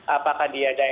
apakah dia daya